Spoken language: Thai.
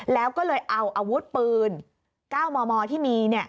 แล้วก็เลยเอาอาวุธปืน๙มมที่มี